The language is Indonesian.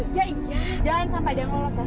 jangan sampai dia ngelolos ya